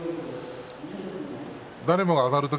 誰もが上がる時